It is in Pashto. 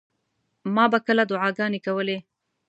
ما به کله دعاګانې کولې.